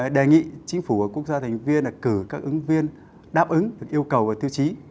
đề nghị chính phủ và quốc gia thành viên cử các ứng viên đáp ứng được yêu cầu và tiêu chí